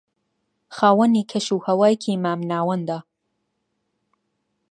خاوەنی کەش و ھەوایەکی مام ناوەندە